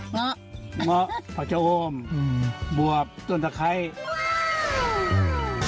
ง๊ะง๊ะพักเจ้าอมบวกต้นตะไคร้ว้าว